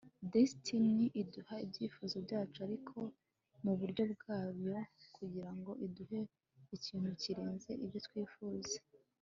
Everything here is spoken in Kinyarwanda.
destiny iduha ibyifuzo byacu, ariko muburyo bwayo, kugirango iduhe ikintu kirenze ibyo twifuza